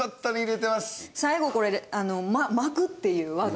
最後これで巻くっていう技。